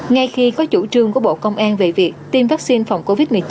ngay khi có chủ trương của bộ công an về việc tiêm vaccine phòng covid một mươi chín